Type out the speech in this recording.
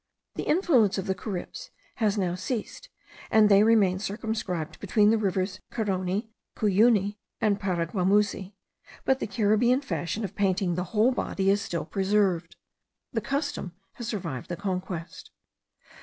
The influence of the Caribs has now ceased, and they remain circumscribed between the rivers Carony, Cuyuni, and Paraguamuzi; but the Caribbean fashion of painting the whole body is still preserved. The custom has survived the conquest.